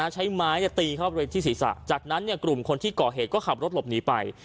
ใช้ไม้ตีเข้าไปที่ศีรษะจากนั้นกลุ่มคนที่ก่อเหตุก็ขับรถหลบหนีไป